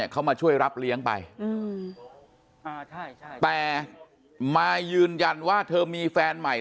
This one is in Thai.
เขามาช่วยรับเลี้ยงไปแต่มายืนยันว่าเธอมีแฟนใหม่